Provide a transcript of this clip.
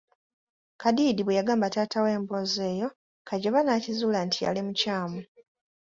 Kadiidi bwe yagamba taata we emboozi eyo, Kajoba n'akizuula nti yali mukyamu.